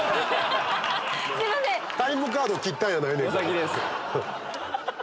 タイムカード切ったんやないねんから。